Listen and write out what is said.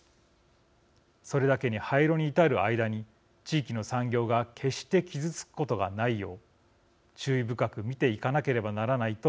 それだけに廃炉に至る間に地域の産業が決して傷つくことがないよう注意深く見ていかなければならないと思います。